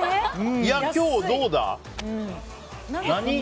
今日どうだ。